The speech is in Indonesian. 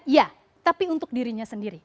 ya tapi untuk dirinya sendiri